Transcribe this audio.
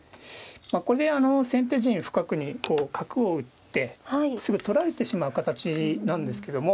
これであの先手陣深くに角を打ってすぐ取られてしまう形なんですけども。